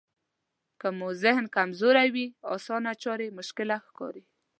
که مو ذهن کمزوری وي اسانه چارې مشکله ښکاري.